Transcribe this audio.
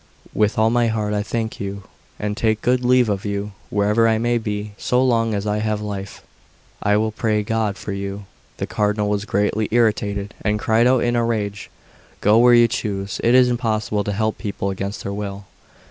With all my heart I thank you, and take good leave of you; wherever I may be, so long as I have life, I will pray God for you." The Cardinal was greatly irritated, and cried out in a rage: "Go where you choose; it is impossible to help people against their will."